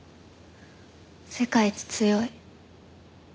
世界一強い。